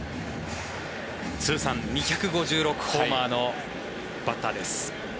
通算２５６ホーマーのバッターです。